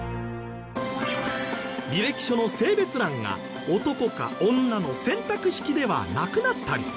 履歴書の性別欄が男か女の選択式ではなくなったり。